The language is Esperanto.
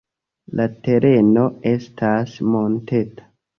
La tereno estas monteta.